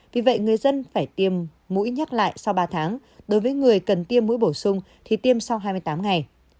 vì vậy người dân phải tiêm mũi nhắc lại sau ba tháng đối với người cần tiêm mũi bổ sung thì tiêm sau hai mươi tám ngày